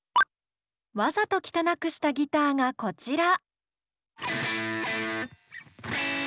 わざと汚くしたギターがこちら。